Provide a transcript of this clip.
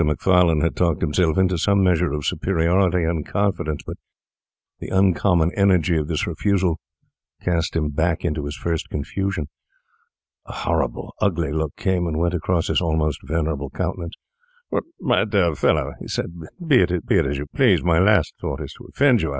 Macfarlane had talked himself into some measure of superiority and confidence, but the uncommon energy of this refusal cast him back into his first confusion. A horrible, ugly look came and went across his almost venerable countenance. 'My dear fellow,' he said, 'be it as you please; my last thought is to offend you.